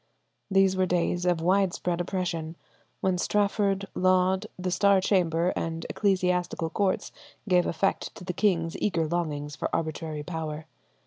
These were days of widespread oppression, when Strafford, Laud, the Star Chamber, and ecclesiastical courts gave effect to the king's eager longings for arbitrary power.